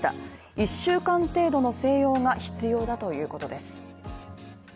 １週間程度の静養が必要だということです。